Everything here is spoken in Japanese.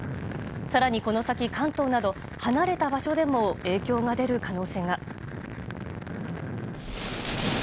更に、このさき関東など離れた場所でも影響が出る可能性が。